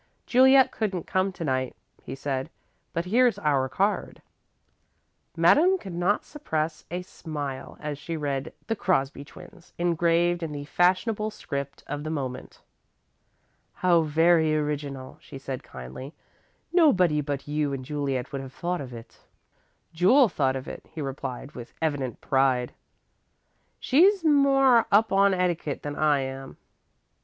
"Juliet couldn't come to night," he said, "but here's our card." Madame could not repress a smile as she read "The Crosby Twins" engraved in the fashionable script of the moment. "How very original," she said, kindly. "Nobody but you and Juliet would have thought of it." "Jule thought of it," he replied, with evident pride. "She's more up on etiquette than I am."